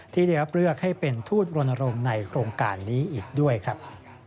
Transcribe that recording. ที่เรียบเลือกให้เป็นทูตโรนโรมในโครงการนี้อีกด้วยครับ